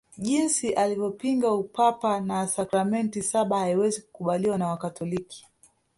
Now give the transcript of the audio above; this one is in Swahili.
Jinsi alivyopinga Upapa na sakramenti saba haiwezi kukubaliwa na Wakatoliki